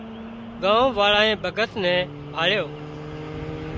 ڳام واۯانئين ڀڳت نين ڀاۯيو